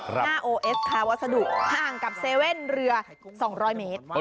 หน้าโอเอสคาวัสดุห่างกับเซเว่นเรือ๒๐๐เมตร